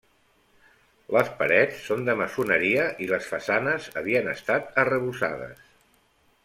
Les parets són de maçoneria i les façanes havien estat arrebossades.